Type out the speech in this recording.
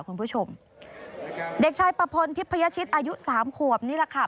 คุณผู้ชมเด็กชายประพลทิพยชิตอายุสามขวบนี่แหละค่ะ